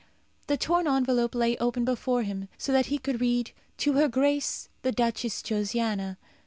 The torn envelope lay open before him, so that he could read, "To Her Grace the Duchess Josiana."